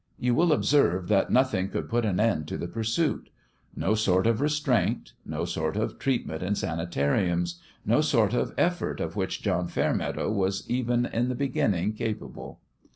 You will observe that nothing could put an end to the pursuit no sort of restraint, no sort of treatment in sanitariums, no sort of effort of which John Fairmeadow was even in the be ginning capable.